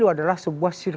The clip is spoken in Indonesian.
orpney dan lain lain